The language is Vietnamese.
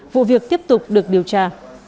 vụ việc tiếp tục được điều tra